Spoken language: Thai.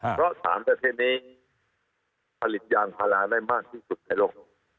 เพราะ๓ประเทศนี้ผลิตยางพาราได้มากที่สุดในโลก